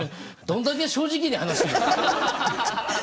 どんだけ正直に話してんだ！